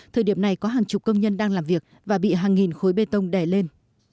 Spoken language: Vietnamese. thời điểm này có hàng chục công nhân đang làm việc và bị hàng nghìn khối bê tông đè lên